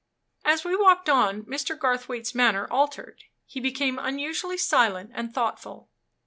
As we walked on, Mr. Garthwaite's manner altered. He became unusually silent and thoughtful.